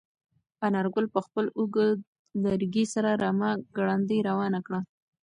انارګل په خپل اوږد لرګي سره رمه ګړندۍ روانه کړه.